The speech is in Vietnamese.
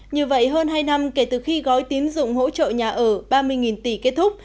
như vậy hơn hai năm kể từ khi gói tín dụng hỗ trợ nhà ở ba mươi tỷ kết thúc